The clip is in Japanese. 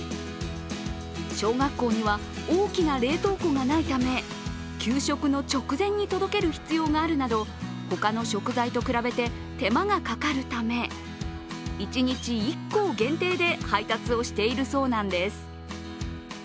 小学校には大きな冷凍庫がないため給食の直前に届ける必要があるなど他の食材と比べて手間がかかるため、一日１校限定で配達をしているそうなんです。